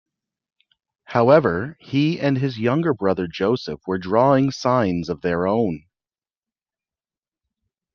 However, he and his younger brother Joseph were drawing signs of their own.